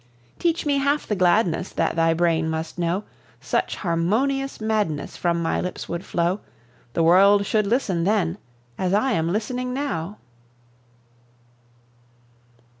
Teach me half the gladness That thy brain must know, Such harmonious madness From my lips would flow, The world should listen then, as I am listening now!